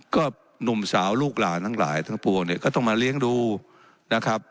ก็หนุ่มสาวลูกหลานทั้งหลายทั้งปวงเนี่ยก็ต้องมาเลี้ยงดูนะครับ